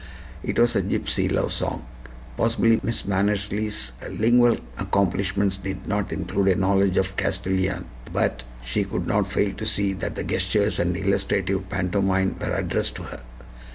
It was a gypsy love song. Possibly Miss Mannersley's lingual accomplishments did not include a knowledge of Castilian, but she could not fail to see that the gestures and illustrative pantomime were addressed to her.